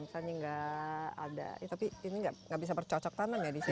misalnya nggak ada tapi ini nggak bisa bercocok tanam ya di sini